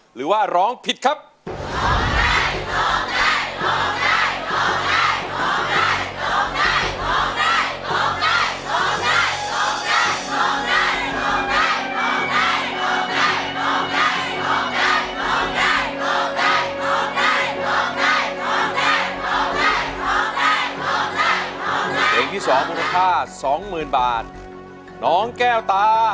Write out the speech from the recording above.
ภูมิใจภูมิใจภูมิใจ